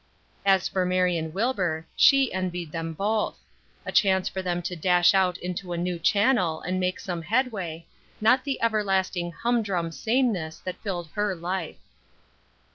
As for Marion Wilbur, she envied them both; a chance for them to dash out into a new channel and make some headway, not the everlasting humdrum sameness that filled her life.